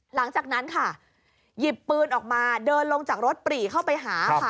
หลังจากนั้นค่ะหยิบปืนออกมาเดินลงจากรถปรีเข้าไปหาค่ะ